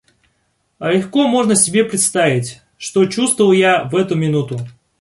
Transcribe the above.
Легко можно себе представить, что чувствовал я в эту минуту.